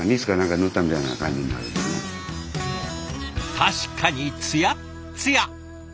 確かにつやっつや！